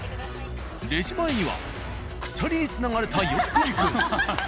レジ前には鎖につながれた呼び込み君。